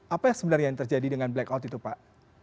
apa yang sebenarnya yang terjadi dengan blackout itu pak